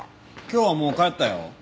今日はもう帰ったよ。